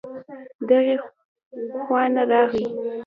دغې خوا نه راغی